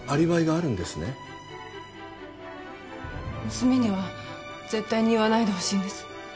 娘には絶対に言わないでほしいんです。